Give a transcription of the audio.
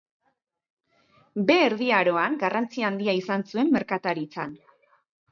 Behe Erdi Aroan garrantzi handia izan zuen merkataritzan.